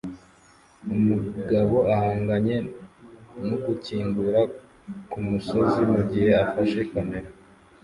Umugabo ahanganye nugukingura kumusozi mugihe afashe kamera